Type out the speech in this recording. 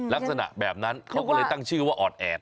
ลักษณะแบบนั้นเขาก็เลยตั้งชื่อว่าออดแอด